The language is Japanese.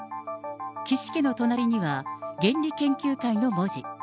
岸家の隣には、原理研究会の文字。